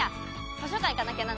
図書館！